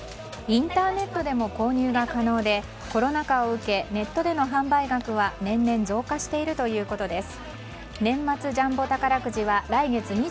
インターネットでも購入が可能でコロナ禍を受けネットでの販売額は年々増加しているということです。